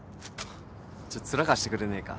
ちょっと面貸してくれねえか？